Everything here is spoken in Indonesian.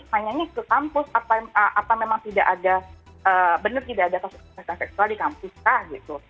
tanyanya ke kampus apa memang benar tidak ada kekerasan seksual di kampus kah gitu